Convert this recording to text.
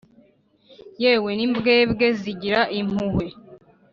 Yewe, n’imbwebwe zigira impuhwe,